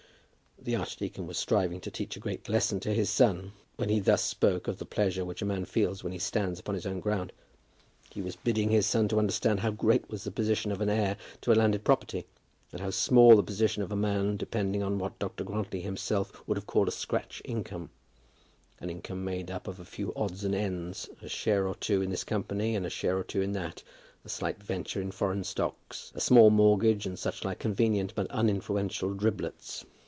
The archdeacon was striving to teach a great lesson to his son when he thus spoke of the pleasure which a man feels when he stands upon his own ground. He was bidding his son to understand how great was the position of an heir to a landed property, and how small the position of a man depending on what Dr. Grantly himself would have called a scratch income, an income made up of a few odds and ends, a share or two in this company and a share or two in that, a slight venture in foreign stocks, a small mortgage and such like convenient but uninfluential driblets.